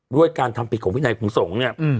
ด้วยการทำปิดของพินัยภูมิสงศ์เนี่ย